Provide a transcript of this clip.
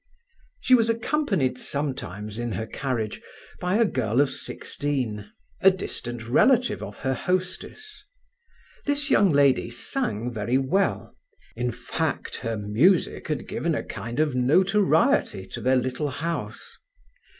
She was accompanied sometimes in her carriage by a girl of sixteen, a distant relative of her hostess. This young lady sang very well; in fact, her music had given a kind of notoriety to their little house.